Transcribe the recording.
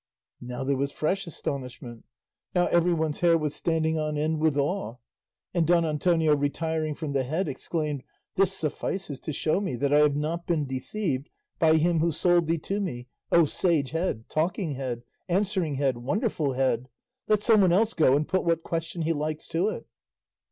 Now there was fresh astonishment; now everyone's hair was standing on end with awe; and Don Antonio retiring from the head exclaimed, "This suffices to show me that I have not been deceived by him who sold thee to me, O sage head, talking head, answering head, wonderful head! Let some one else go and put what question he likes to it."